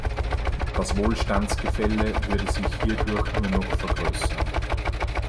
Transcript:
Das Wohlstandsgefälle würde sich hierdurch nur noch vergrößern.